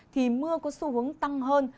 thì mưa có xu hướng tăng hơn